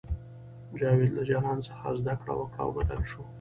جاوید له جلان څخه زده کړه وکړه او بدل شو